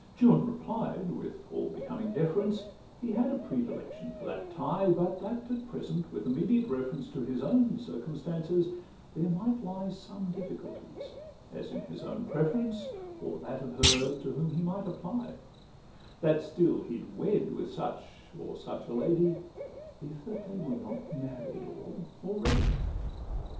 Juan replied, with all becoming deference, He had a predilection for that tie; But that, at present, with immediate reference To his own circumstances, there might lie Some difficulties, as in his own preference, Or that of her to whom he might apply: That still he'd wed with such or such a lady, If that they were not married all already.